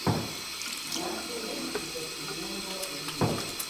Miaso ya kushiza chinyengo kuli mutu.